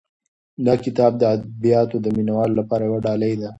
دا کتاب د ادبیاتو د مینه والو لپاره یو ډالۍ ده.